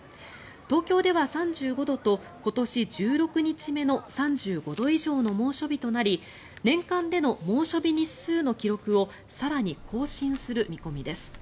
東京では３５度と今年１６日目の３５度以上の猛暑日となり年間での猛暑日日数の記録を更に更新する見込みです。